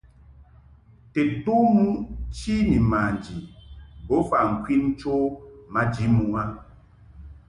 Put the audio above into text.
Tedtom muʼ chi ni manji bofa ŋkwin cho maji muʼ a.